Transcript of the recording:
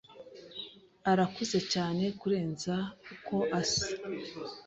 arakuze cyane kurenza uko asa.